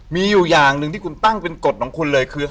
มีอยู่อย่างหนึ่งที่คุณตั้งเป็นกฎของคุณเลยคือ